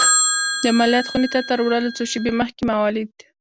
د عملیات خونې ته تر وړلو څو شېبې مخکې ما ولید